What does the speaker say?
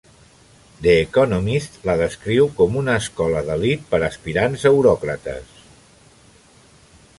"The Economist" la descriu com una "escola d"èlit per a aspirants a euròcrats.